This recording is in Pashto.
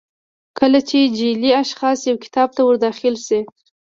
کله چې جعلي اشخاص یو کتاب ته ور داخل شي.